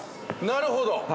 ◆なるほど。